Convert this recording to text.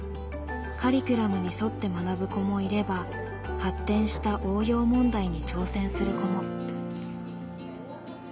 カリキュラムに沿って学ぶ子もいれば発展した応用問題に挑戦する子も。